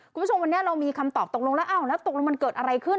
คุณผู้ชมวันนี้เรามีคำตอบตกลงแล้วอ้าวแล้วตกลงมันเกิดอะไรขึ้น